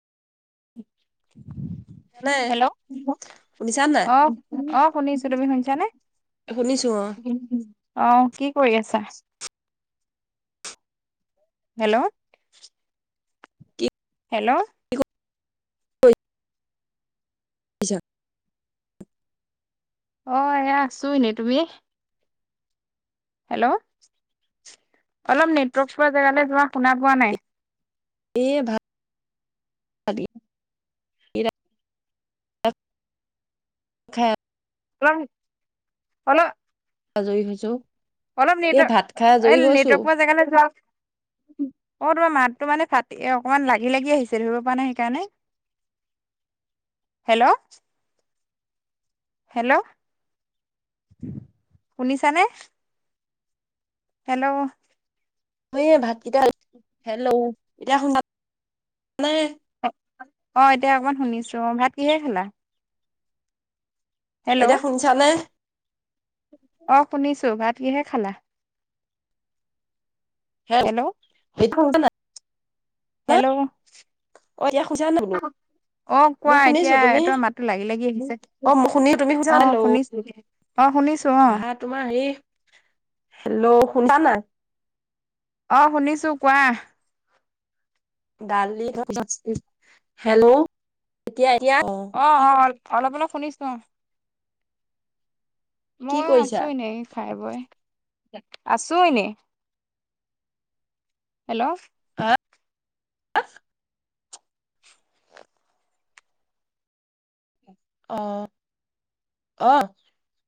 উ নাই হেল্ল' শুনিছা নাই? অ আহ শুনিছো তুমি শুনিছানে? শুনিছো অ আহ কি কৰি আছা? হেল্ল' কি হেল্ল' [unintelligible] আচছা অ এ আছো এনেই তুমি হেল্ল' অলপ নেটৰক পোৱা জেগালৈ যোৱা শুনা পোৱা নাই এ ভাত হ [unintelligible] আজৰি হৈছো অলপ এ ভাত নেটৱৰ্ক খাই আজৰি এ হৈছো নেটৱৰ্ক পোৱা জেগালৈ যোৱা অ তোমাৰ মাতটো মানে ফাটি অকমান লাগি লাগি আহিছে ধৰিব পৰা নাই সেইকাৰণে হেল্ল' হেল্ল' শুনিছানে হেল্ল' ভাতকেইটা হেল্ল' এতিয়া শুাল নে অ এতিয়া অকমান শুনিছো ভাত কিহে খালা? হেল্ল' এতিয়া শুনিছ নে? অ শুনিছো ভাত কিহে খালা? হেল্ল'। এটো কট ন [inaudible] হেল্ল' অ ইয়া খোজ নলোক, অ কোৱা এতিয়া তই মাতো লাগি-লাগি আহিছে অ অ শুনিছো অ শুনিছো অ ভা তোমাৰ হেৰি হেল্ল', শুনবা নাই? অ, শুনিছো কোৱা। দালি হেল্ল', এতিয়া [unintelligible] অ-অ অলপ-অলপ শুনিছো। কি মই কৰিছা আছো এনে খাই বৈ আছো এনে হেল্ল', আহ, অহ - অহ।